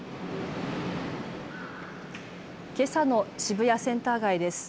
けさの渋谷センター街です。